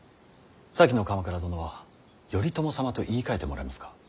先の鎌倉殿は頼朝様と言いかえてもらえますか。